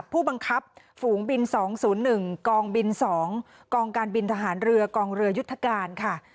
ผู้บังคับฝูงบิน๒๐๑กองบิน๒กองการบินทหารเรือกองเรือยุทธการค่ะ